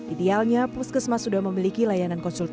idealnya puskesmas sudah memiliki layanan konsultasi